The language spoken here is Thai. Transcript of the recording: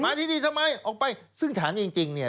มาที่ดีทำไมออกไป